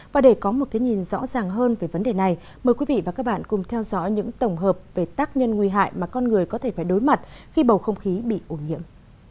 và để có một cái nhìn rõ ràng hơn về vấn đề này mời quý vị và các bạn cùng theo dõi những tổng hợp về tác nhân nguy hại mà con người có thể phải đối mặt khi bầu không khí bị ô nhiễm